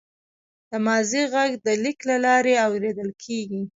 د ماضي غږ د لیک له لارې اورېدل کېږي.